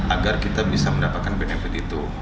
agar kita bisa mendapatkan benefit itu